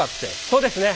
そうですね。